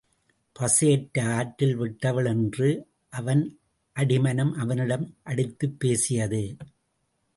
பசையற்று ஆற்றில் விட்டவள் என்று அவன் அடி மனம் அவனிடம் அடித்துப்பேசியது.